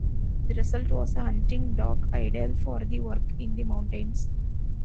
The result was a hunting dog ideal for the work in the mountains.